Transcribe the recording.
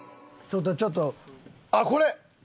ちょっとちょっとあっこれ！